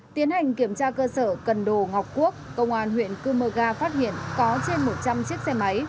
tiến hành kiểm tra cơ sở cần đồ ngọc quốc công an huyện cư mơ ga phát hiện có trên một trăm linh chiếc xe máy